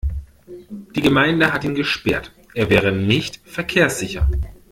Die Gemeinde hat ihn gesperrt. Er wäre nicht verkehrssicher.